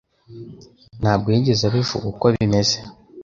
Ntabwo yigeze abivuga uko bimeze.